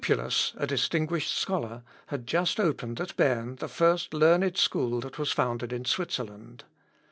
Lupulus, a distinguished scholar, had just opened at Berne the first learned school that was founded in Switzerland.